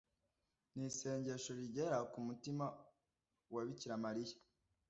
ni isengesho rigera ku mutima wa bikira mariya